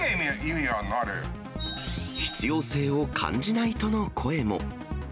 必要性を感じないとの声も。